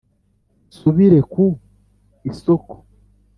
Nsubire ku isoko